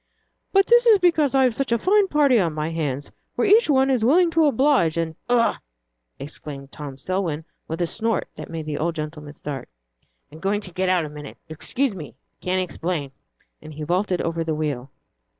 "But that is because I've such a fine party on my hands, where each one is willing to oblige, and " "Ugh!" exclaimed Tom Selwyn, with a snort that made the old gentleman start. "I'm going to get out a minute excuse me can't explain." And he vaulted over the wheel.